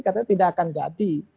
katanya tidak akan jadi